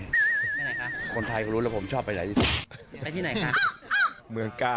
ไปไหนคะคนไทยเขารู้แล้วผมชอบไปไหนที่สุดไปที่ไหนค่ะเมืองกา